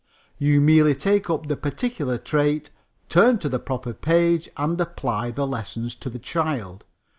You merely take up the particular trait, turn to the proper page and apply the lessons to the child.